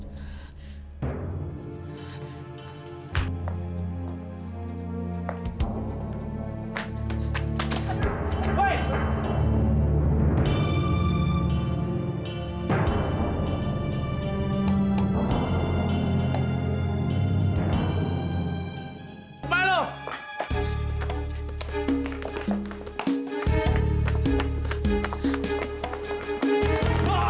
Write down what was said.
tidak ada dia